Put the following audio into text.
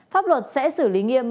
pháp luật sẽ xử lý nghiêm